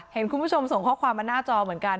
เห็นคุณผู้ชมส่งข้อความมาหน้าจอเหมือนกัน